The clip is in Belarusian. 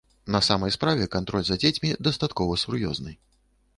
На самай справе кантроль за дзецьмі дастаткова сур'ёзны.